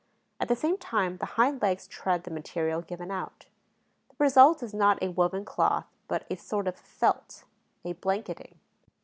At the same time, the hind legs tread the material given out. The result is not a woven cloth, but a sort of felt, a blanketing.